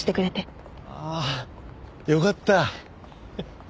ああよかった。